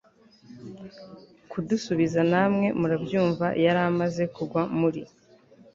kudusubiza namwe murabyumva yaramaze kugwa muri